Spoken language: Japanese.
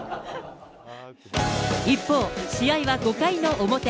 一方、試合は５回の表。